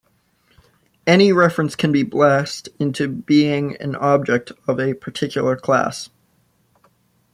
Any reference can be blessed into being an object of a particular class.